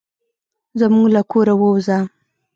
زموږ له کوره ووزه.